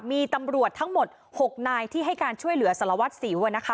มีตำรวจทั้งหมดหกนายที่ให้การช่วยเหลือสลวัสดิ์สิวนะคะ